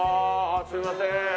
すいません。